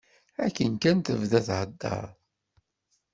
Akken kan tebda thedder.